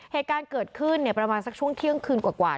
เหตุการณ์เกิดขึ้นประมาณสักช่วงเที่ยงคืนกว่า